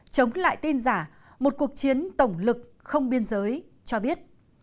chống lại tin giả một cuộc chiến tổng lực không biên giới cho biết